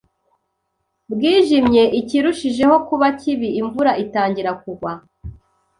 Bwijimye, ikirushijeho kuba kibi, imvura itangira kugwa.